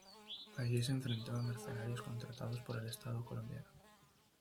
Allí se enfrentó a mercenarios contratados por el Estado colombiano.